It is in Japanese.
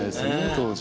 当時。